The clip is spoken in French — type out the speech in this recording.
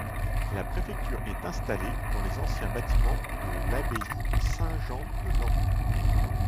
La préfecture est installé dans les anciens bâtiments de l'Abbaye Saint-Jean de Laon.